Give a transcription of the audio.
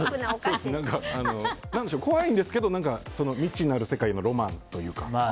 何でしょう怖いんですけど未知なる世界へのロマンというか。